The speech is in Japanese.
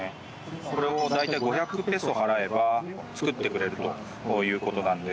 これを大体５００ペソ払えば作ってくれるということです。